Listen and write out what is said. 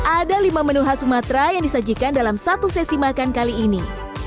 ada lima menu khas sumatera yang disajikan dalam satu sesi makan kali ini